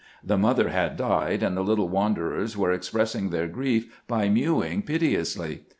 The mother had died, and the little wanderers were expressing their grief by mewing piteously.